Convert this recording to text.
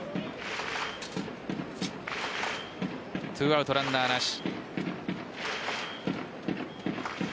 ２アウトランナーなし。